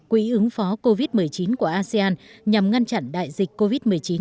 hội đồng điều phối asean đã hành lập quỹ ứng phó covid một mươi chín của asean nhằm ngăn chặn đại dịch covid một mươi chín